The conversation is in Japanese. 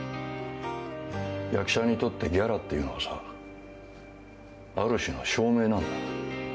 役者にとってギャラっていうのはさある種の証明なんだ。